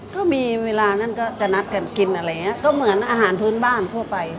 ก็มีเวลานั้นก็จะนัดกันกินอะไรอย่างเงี้ยก็เหมือนอาหารพื้นบ้านทั่วไป